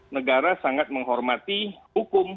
negara sangat menghormati hukum